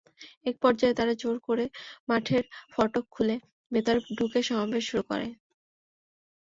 একপর্যায়ে তাঁরা জোর করে মাঠের ফটক খুলে ভেতরে ঢুকে সমাবেশ শুরু করেন।